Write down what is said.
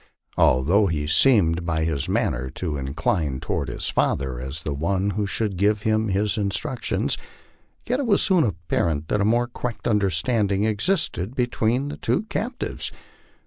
Although he seemed by his man ner to incline toward his father as the one who should give him his in structions, yet it was soon apparent that a more correct understanding ex isted between the two captives.